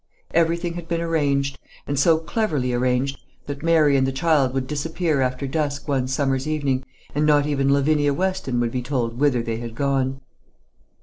Everything had been arranged, and so cleverly arranged, that Mary and the child would disappear after dusk one summer's evening, and not even Lavinia Weston would be told whither they had gone.